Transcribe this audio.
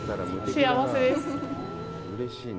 幸せです。